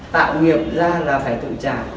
tạo nghiệp ra là phải tự trả